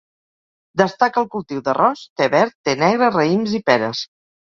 Destaca el cultiu d'arròs, te verd, te negre, raïms i peres.